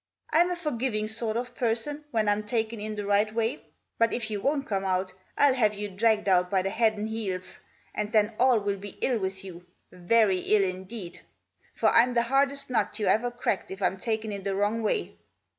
Fm a forgiving sort of person when Vtn taken In the right way. But if you won't come out, I'll have you dragged out by the head and heels, and then all will be 111 with you, very 111 indeed. For Ytfit the hardest nut you ever cracked if I'm taken ift the Wroftg Way.